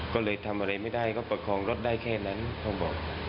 เขาเลยเห็นแผ่นนี้ก็เป็นไงครับ